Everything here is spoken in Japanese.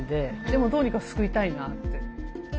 でもどうにか救いたいなって。